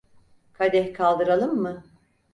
Kadeh kaldıralım mı?